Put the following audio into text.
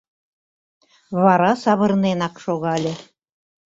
Вара савырненак шогале.